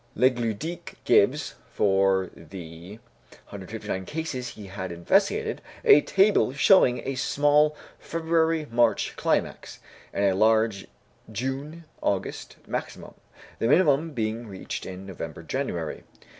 Legludic gives, for the 159 cases he had investigated, a table showing a small February March climax, and a large June August maximum, the minimum being reached in November January.